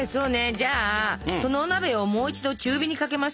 じゃあそのお鍋をもう一度中火にかけます。